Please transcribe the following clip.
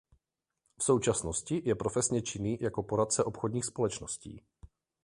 V současnosti je profesně činný jako poradce obchodních společností.